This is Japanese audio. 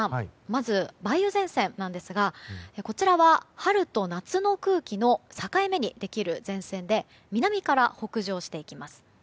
まず梅雨前線なんですがこちらは、春と夏の空気の境目にできる前線で南から北上していきます。